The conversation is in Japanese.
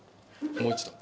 もう一度。